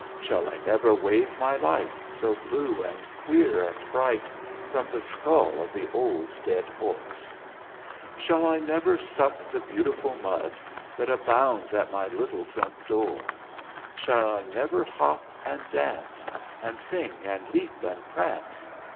Shall I never wave my light, So blue and queer and bright, From the skull of the old dead horse? THE JACKY TOAD FAILS 253 "Shall I never suck the beautiful mud That abounds at my little front door ? Shall I never hop and dance And sing and leap and prance?